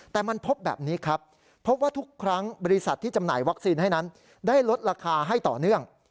แต่มันพบแบบนี้ครับพบว่าทุกครั้งบริษัทที่จำหน่ายวัคซีนให้นั้นได้ลดราคาให้ต่อเนื่อง